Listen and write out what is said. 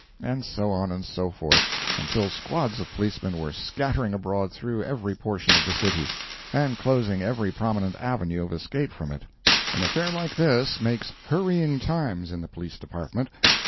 And so on, and so forth, until squads of Policemen were scattering abroad through every portion of the city, and closing every prominent avenue of escape from it. An affair like this makes hurrying times in the Police Department.